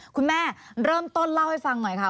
คุณแม่เริ่มต้นเล่าให้ฟังหน่อยค่ะ